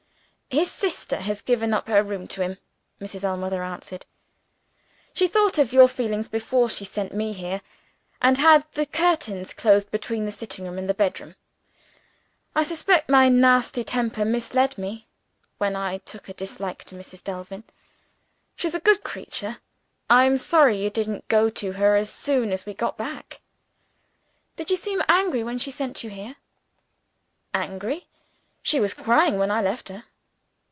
"His sister has given up her bedroom to him," Mrs. Ellmother answered. "She thought of your feelings before she sent me here and had the curtains closed between the sitting room and the bedroom. I suspect my nasty temper misled me, when I took a dislike to Mrs. Delvin. She's a good creature; I'm sorry you didn't go to her as soon as we got back." "Did she seem to be angry, when she sent you here?" "Angry! She was crying when I left her."